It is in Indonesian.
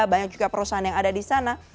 banyak juga perusahaan yang ada di sana